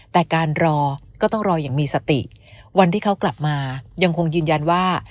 แต่การรอก็ต้องรออย่างมีสติวันที่เขากลับมายังคงยืนยันว่า